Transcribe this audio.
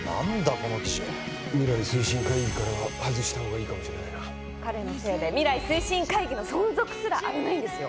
この記事は未来推進会議から外した方がいいかもしれないな彼のせいで未来推進会議の存続すら危ないんですよ